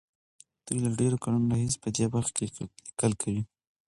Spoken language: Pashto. دوی له ډېرو کلونو راهيسې په دې برخه کې ليکل کوي.